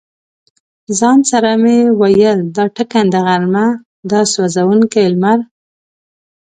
ځان سره مې ویل: دا ټکنده غرمه، دا سوزونکی لمر.